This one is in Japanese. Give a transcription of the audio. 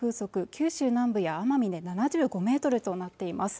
九州南部や奄美で７５メートルとなっています